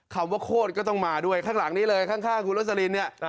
คำว่าโคตรก็ต้องมาด้วยข้างหลังนี้เลยข้างคุณโรสลินเนี่ย